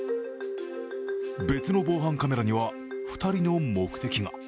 別の防犯カメラには２人の目的が。